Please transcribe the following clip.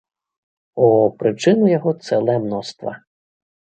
О, прычын у яго цэлае мноства.